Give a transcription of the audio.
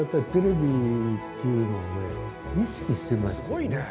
すごいね。